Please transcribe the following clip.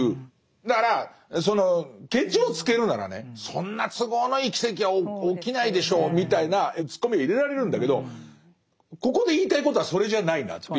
だからそのケチをつけるならねそんな都合のいい奇跡は起きないでしょうみたいなツッコミを入れられるんだけどここで言いたいことはそれじゃないなという。